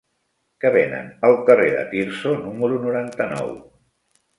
Què venen al carrer de Tirso número noranta-nou?